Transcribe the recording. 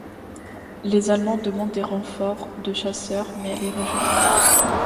Les Allemands demandent des renforts de chasseurs mais elle est rejetée.